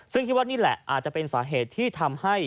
ซึ่งคิดว่านี่แหละอาจจะเป็นสาเหตุที่ทำให้